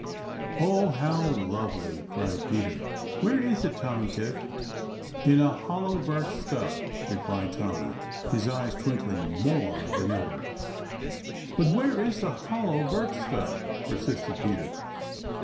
"Oh, how lovely!" cried Peter. "Where is it, Tommy Tit?" "In a hollow birch stub," replied Tommy, his eyes twinkling more than ever. "But where is the hollow birch stub?" persisted Peter.